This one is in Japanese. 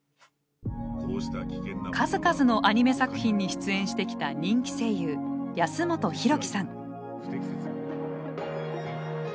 数々のアニメ作品に出演してきた人気声優安元洋貴さん。